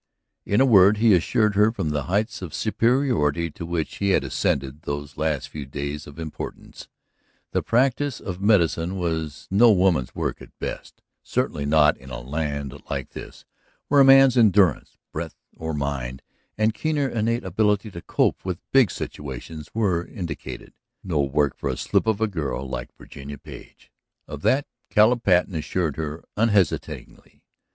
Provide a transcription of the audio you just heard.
In a word he assured her from the heights of superiority to which he had ascended these last few days of importance, the practice of medicine was no woman's work at best; certainly not in a land like this, where a man's endurance, breadth or mind, and keener innate ability to cope with big situations were indicated. No work for a slip of a girl like Virginia Page. Of that Caleb Patten assured her unhesitatingly.